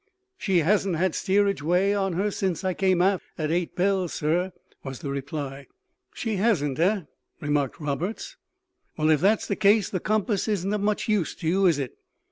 "She hasn't had steerage way on her since I came aft, at eight bells, sir," was the reply. "She hasn't, eh?" remarked Roberts. "Well, if that's the case, the compass isn't of much use to you, is it?